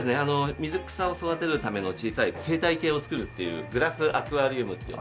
水草を育てるための小さい生態系を作るっていうグラスアクアリウムっていいます。